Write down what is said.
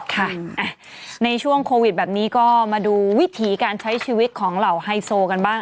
ค่ะในช่วงโควิดแบบนี้ก็มาดูวิถีการใช้ชีวิตของเหล่าไฮโซกันบ้าง